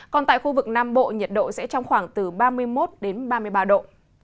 còn tại khu vực nam bộ nhiệt độ sẽ trong khoảng từ ba mươi một đến ba mươi ba độ